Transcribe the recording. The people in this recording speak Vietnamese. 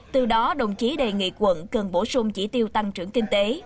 từ đó đồng chí đề nghị quận cần bổ sung chỉ tiêu tăng trưởng kinh tế